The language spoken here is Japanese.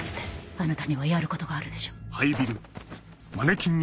あなたにはやることがあるでしょ。